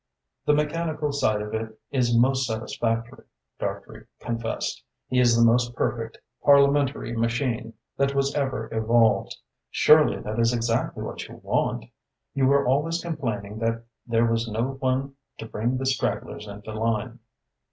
"The mechanical side of it is most satisfactory," Dartrey confessed. "He is the most perfect Parliamentary machine that was ever evolved." "Surely that is exactly what you want? You were always complaining that there was no one to bring the stragglers into line."